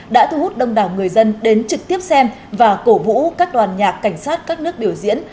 đã thu hút đông đảo người dân đến trực tiếp xem và cổ vũ các đoàn nhạc cảnh sát các nước biểu diễn